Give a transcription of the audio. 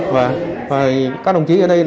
và các đồng chí ở đây